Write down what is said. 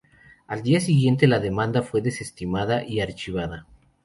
Al día siguiente la demanda fue desestimada y archivada.